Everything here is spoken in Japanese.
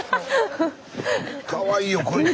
かわいいよこいつ。